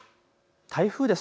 台風です。